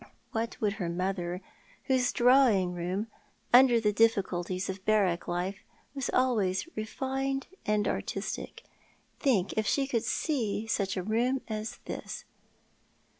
What would her mother, whose drawing room, under the difficulties of barrack life, was always refined and artistic, think if she could see such a room as this?